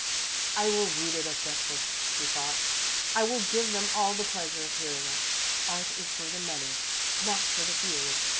"I will read it at breakfast," he thought. "I will give them all the pleasure of hearing it. Art is for the many, not for the few.